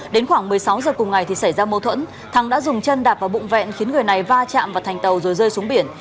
đến khoảng một mươi sáu giờ cùng ngày thì xảy ra mâu thuẫn thắng đã dùng chân đạp vào bụng vẹn khiến người này va chạm vào thành tàu rồi rơi xuống biển